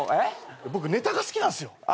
僕ネタが好きなんすよ。